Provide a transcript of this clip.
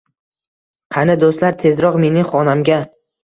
Qani, do’stlar, tezroq mening xonamga